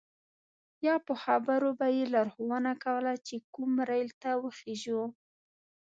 یا په خبرو به یې لارښوونه کوله چې کوم ریل ته وخیژو.